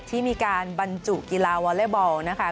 ที่มีการบรรจุกีฬาวอเล็กบอลนะคะ